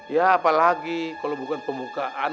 ya apalagi kalau bukan pembukaan